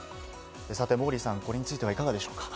モーリーさん、これについてはいかがでしょうか？